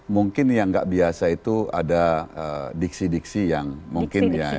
mungkin yang nggak biasa itu ada diksi diksi yang mungkin ya